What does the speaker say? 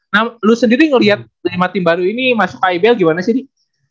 nah lo sendiri ngeliat lima tim baru ini masuk ibl gimana sih